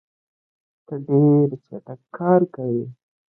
ته ډېر چټک کار کوې.